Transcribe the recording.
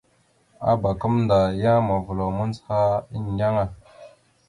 Abak gamənda yan mavəlaw mandzəha endeŋa.